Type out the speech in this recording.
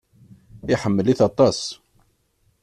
Iḥemmel-it aṭas.